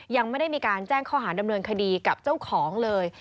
ยังไม่ได้มีการแจ้งข้อหาดำเนินคดีกับเจ้าของเลย